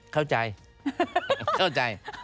เข้าใจ